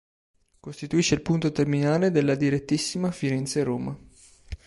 Costituisce il punto terminale della "direttissima" Firenze-Roma.